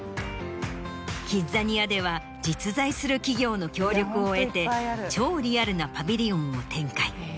キッザニアでは実在する企業の協力を得て超リアルなパビリオンを展開。